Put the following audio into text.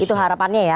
itu harapannya ya